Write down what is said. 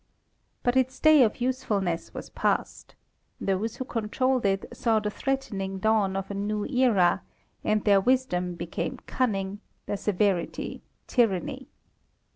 But its day of usefulness was past; those who controlled it saw the threatening dawn of a new era, and their wisdom became cunning, their severity, tyranny.